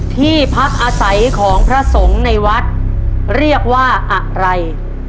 ที่พักอาศัยของพระสงฆ์ในวัดเรียกว่าอะไร